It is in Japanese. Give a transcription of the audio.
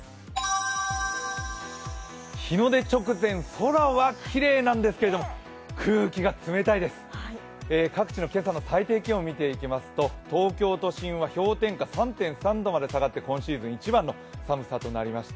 日の出直前、空はきれいなんですけれども、空気が冷たいです、各地の今朝の最低気温を見ていきますと、東京都心は氷点下３．３度まで下がって今シーズン一番の寒さとなりました。